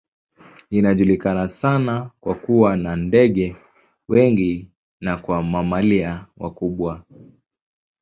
Inajulikana sana kwa kuwa na ndege wengi na kwa mamalia wakubwa.